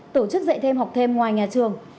tổ chức dạy thêm học thêm ngoài nhà trường